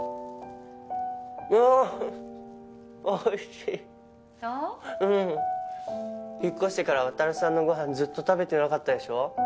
引っ越してから渉さんのご飯ずっと食べてなかったでしょ？